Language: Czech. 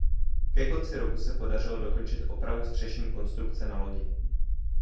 Ke konci roku se podařilo dokončit opravu střešní konstrukce na lodi.